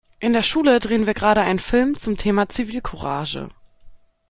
In der Schule drehen wir gerade einen Film zum Thema Zivilcourage.